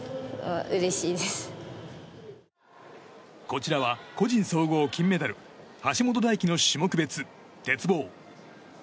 こちらは個人総合金メダル橋本大輝の種目別鉄棒。